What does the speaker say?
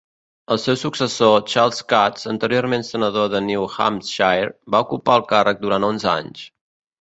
El seu successor, Charles Cutts, anterior senador de New Hampshire, va ocupar el càrrec durant onze anys.